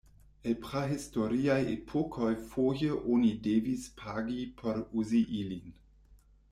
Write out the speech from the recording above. El prahistoriaj epokoj foje oni devis pagi por uzi ilin.